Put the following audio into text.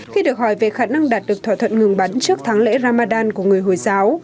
khi được hỏi về khả năng đạt được thỏa thuận ngừng bắn trước tháng lễ ramadan của người hồi giáo